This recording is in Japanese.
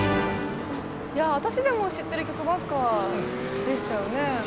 いや私でも知ってる曲ばっかでしたよね。